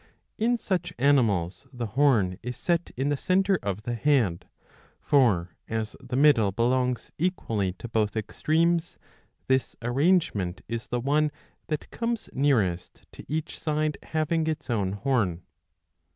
In such animals the horn is set in the centre of the head ; for as the middle belongs equally to both extremes, this arrangement is the one that comes nearest to each side having its own horn.